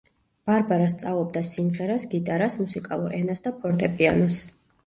ბარბარა სწავლობდა სიმღერას, გიტარას, მუსიკალურ ენას და ფორტეპიანოს.